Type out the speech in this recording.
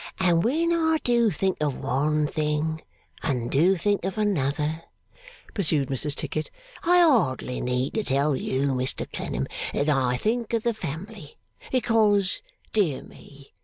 'And when I do think of one thing and do think of another,' pursued Mrs Tickit, 'I hardly need to tell you, Mr Clennam, that I think of the family. Because, dear me!